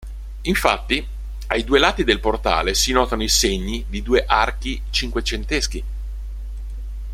Infatti, ai due lati del portale si notano i segni di due archi cinquecenteschi.